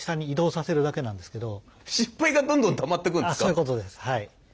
そういうことですはい。